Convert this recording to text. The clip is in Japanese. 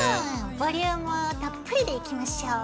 ボリュームたっぷりでいきましょう！